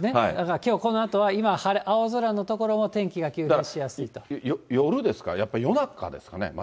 だからきょうこのあとは、今、夜ですか、やっぱり夜中ですかね、また。